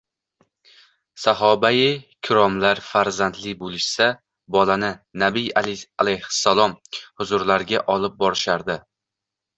Sahobai kiromlar farzandli bo‘lishsa, bolani Nabiy alayhissalom huzurlariga olib borishardi.